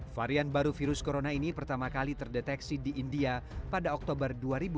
varian baru virus corona ini pertama kali terdeteksi di india pada oktober dua ribu dua puluh